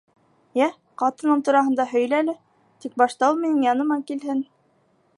Йә, ҡатының тураһында һөйлә ле, Тик башта ул минең яныма килһен.